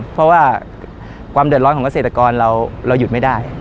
เพราะว่าความเดือดร้อนของเกษตรกรเราหยุดไม่ได้